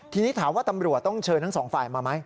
ทีนี้ถามว่าตำรวจต้องเชิญทั้งสองฝ่ายมาไหม